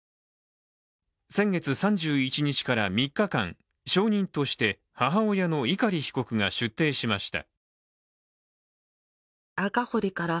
先月３１日から３日間証人として母親の母親の碇被告が出廷しました。